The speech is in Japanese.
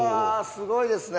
すごいですね！